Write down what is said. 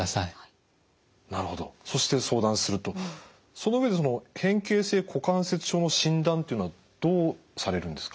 その上で変形性股関節症の診断というのはどうされるんですか？